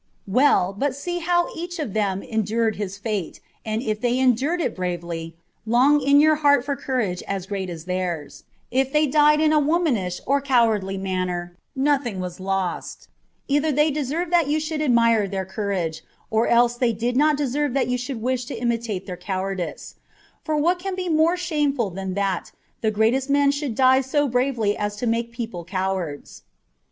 "Well, but see how each of them endured his fate, and if they endured it bravely, long in your heart for courage as great as theirs ; if they died in a womanish and cowardly manner, nothing was lost : either they deserved that you should admire their courage, or else they did not deserve that you should wish to imitate their cowardice : for what can be more shameful than that the greatest men should die so bravely as to make people cowards.